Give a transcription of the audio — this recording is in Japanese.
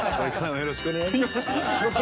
よろしくお願いします。